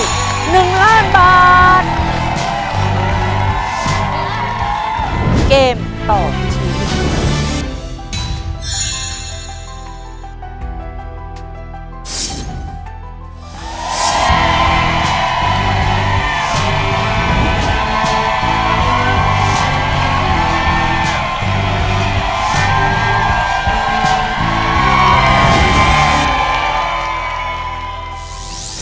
เกมต่อชีวิต